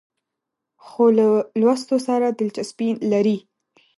خور له لوستو سره دلچسپي لري.